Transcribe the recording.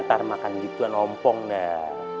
ntar makan gituan ompong deh